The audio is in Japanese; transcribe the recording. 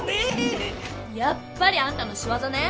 やっぱりあんたのしわざね！